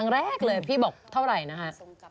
สวัสดีค่ะสวัสดีค่ะ